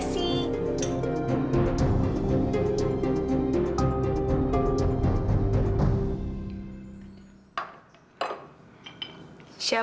nih siapa siapa